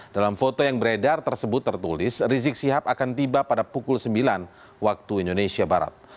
dalam foto yang beredar tersebut tertulis rizik sihab akan tiba pada pukul sembilan waktu indonesia barat